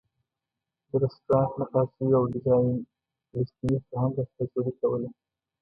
د رسټورانټ نقاشیو او ډیزاین فلسطیني فرهنګ استازولې کوله.